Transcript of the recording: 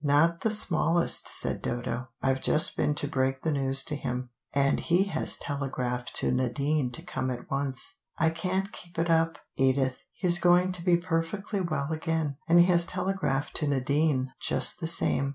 "Not the smallest," said Dodo; "I've just been to break the news to him, and he has telegraphed to Nadine to come at once I can't keep it up. Edith, he is going to be perfectly well again, and he has telegraphed to Nadine just the same."